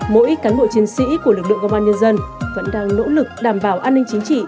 mỗi cán bộ chiến sĩ của lực lượng công an nhân dân vẫn đang nỗ lực đảm bảo an ninh chính trị